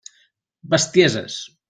Bestieses!